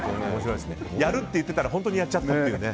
やるって言ってたら本当にやっちゃったっていうね。